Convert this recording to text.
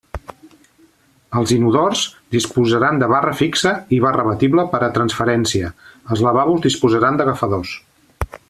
Els inodors disposaran de barra fixa i barra abatible per a transferència, els lavabos disposaran d'agafadors.